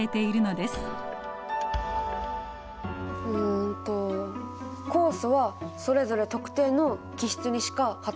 うんと酵素はそれぞれ特定の基質にしかはたらかない。